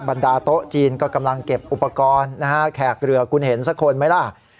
บรรดาโต๊ะจีนก็กำลังเก็บอุปกรณ์นะฮะแขกเรือคุณเห็นสักคนไหมล่ะ